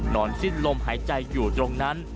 สิ้นลมหายใจอยู่ตรงนั้น